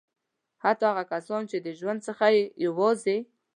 حتی هغه کسان چې د ژوند څخه یې یوازې.